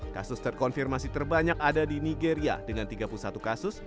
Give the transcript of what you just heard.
kasus terkonfirmasi terbanyak ada di nigeria dengan tiga puluh satu kasus